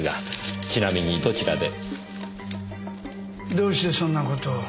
どうしてそんなことを？